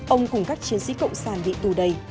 ông cùng các chiến sĩ cộng sản bị tù đầy